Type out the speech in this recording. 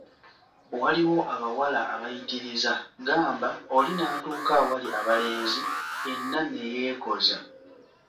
Waliwo abawala abayitiriza, gamba oli n’atuuka awali abalenzi yenna ne yeekoza.